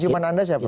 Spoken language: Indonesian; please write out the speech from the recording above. cuman anda siapa